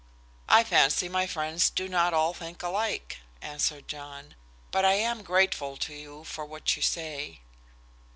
"I fancy my friends do not all think alike," answered John. "But I am grateful to you for what you say."